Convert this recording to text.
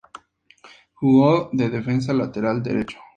Jugó de defensa lateral derecho.